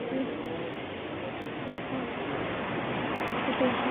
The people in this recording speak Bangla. আক্রমণাত্মক এমন খেলার প্রতি আগ্রহের কথা শুনে স্বাভাবিকভাবেই বাবা-মা খুশি হতে পারেননি।